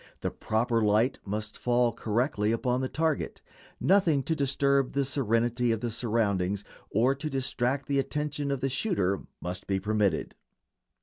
The proper light must fall correctly upon the target; nothing to disturb the serenity of the surroundings or to distract the attention of the shooter must be permitted.